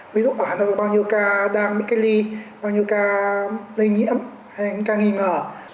ví dụ ở hà nội bao nhiêu ca đang bị cách ly bao nhiêu ca lây nhiễm hay những ca nghi ngờ